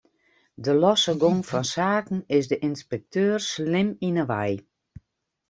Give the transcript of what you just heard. De losse gong fan saken is de ynspekteur slim yn 'e wei.